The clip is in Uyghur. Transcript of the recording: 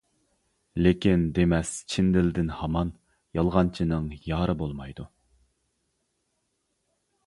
لېكىن دېمەس چىن دىلدىن ھامان، يالغانچىنىڭ يارى بولمايدۇ.